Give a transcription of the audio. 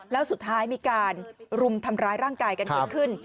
แล้วสุดท้ายมีการรุมทำร้ายร่างกายกันเกิดขึ้น